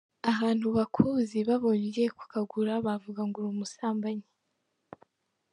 Ahantu bakuzi babonye ugiye kukagura bavuga ngo uri umusambanyi”.